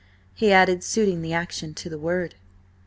he added, suiting the action to the word.